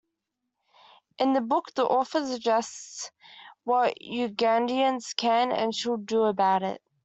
In the book, the author suggests what Ugandans can and should do about it.